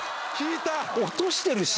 落としてるし。